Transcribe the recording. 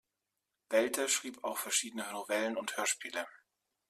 Welte schrieb auch verschiedene Novellen und Hörspiele.